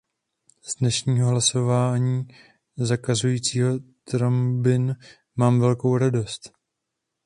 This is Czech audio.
Z dnešního hlasování zakazujícího trombin mám velkou radost.